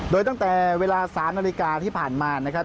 โดยตั้งแต่เวลา๓นาฬิกาที่ผ่านมานะครับ